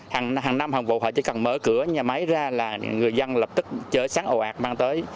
hàng năm hàng vụ họ chỉ cần mở cửa nhà máy ra là người dân lập tức chở sáng ồ ạt mang tới